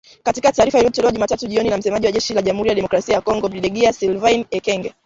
Katika taarifa iliyotolewa Jumatatu jioni na msemaji wa jeshi la Jamuhuri ya Demokrasia ya Kongo Brigedia Sylvain Ekenge